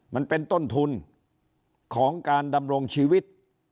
มันเป็นต้นทุนของการดำรงชีวิต